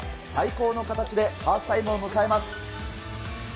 最高の形でハーフタイムを迎えます。